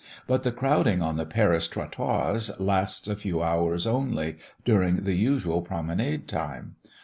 But the crowding on the Paris trottoirs lasts a few hours only during the usual promenade time.